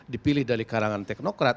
dipilih dari kalangan teknokrat